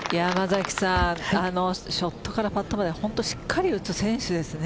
ショットからパットまでしっかり打つ選手ですね。